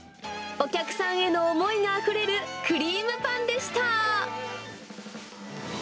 お客さんへの思いがあふれるクリームパンでした。